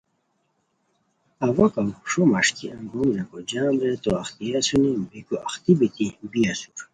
اوا کاوݰو مݰکی انگوم ریکو جام رے تو اختیئے اسونی بیکو اختی بیتی بی اسور